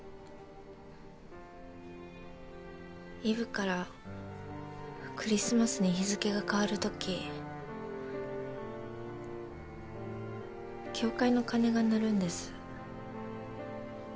イブからクリスマスに日付が変わるとき教会の鐘が鳴るんです。